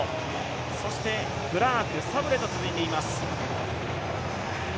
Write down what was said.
そしてクラークサブレと続いています。